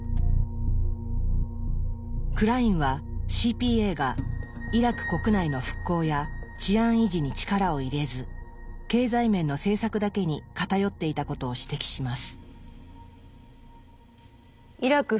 クラインはＣＰＡがイラク国内の復興や治安維持に力を入れず経済面の政策だけに偏っていたことを指摘します。